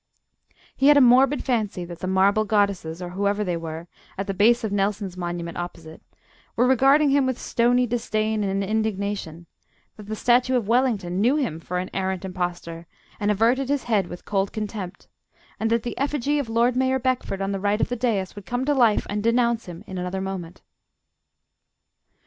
He had a morbid fancy that the marble goddesses, or whoever they were, at the base of Nelson's monument opposite, were regarding him with stony disdain and indignation; that the statue of Wellington knew him for an arrant impostor, and averted his head with cold contempt; and that the effigy of Lord Mayor Beckford on the right of the dais would come to life and denounce him in another moment.